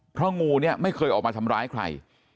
เพราะงูเนี่ยไม่เคยออกมาทำร้ายใคร